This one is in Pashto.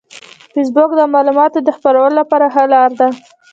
فېسبوک د معلوماتو د خپرولو لپاره ښه لار ده